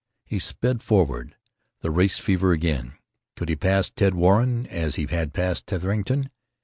He sped forward. The race fever again. Could he pass Tad Warren as he had passed Titherington?